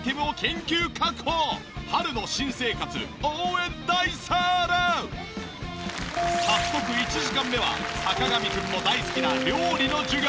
今回は早速１時間目は坂上くんも大好きな料理の授業。